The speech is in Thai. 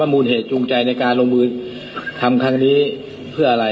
มูลเหตุจูงใจในการลงมือทำครั้งนี้เพื่ออะไร